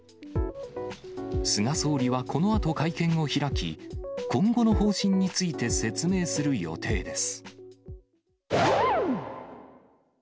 菅総理はこのあと会見を開き、今後の方針について説明する予定です。